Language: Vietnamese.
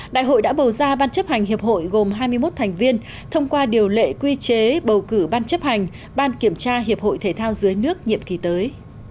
đại hội đã bầu ra ban chấp hành hiệp hội gồm hai mươi một thành viên thông qua điều lệ quy chế bầu cử ban chấp hành ban kiểm tra hiệp hội thể thao dưới nước nhiệm kỳ tới